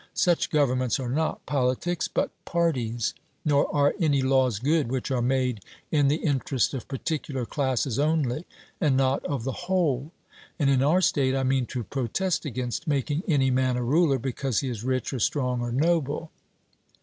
Such governments are not polities, but parties; nor are any laws good which are made in the interest of particular classes only, and not of the whole. And in our state I mean to protest against making any man a ruler because he is rich, or strong, or noble.